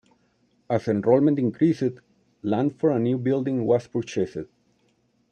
As enrollment increased, land for a new building was purchased.